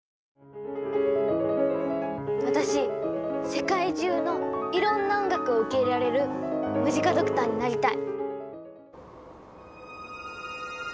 私世界中のいろんな音楽を受け入れられるムジカドクターになりたい。